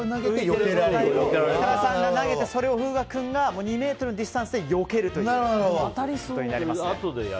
設楽さんが投げて、それを風雅君が２ｍのディスタンスでよけるということになります。